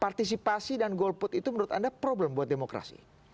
partisipasi dan golput itu menurut anda problem buat demokrasi